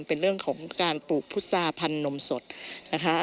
เป็นเรื่องของการปลูกพุษาพันธนมสดนะคะ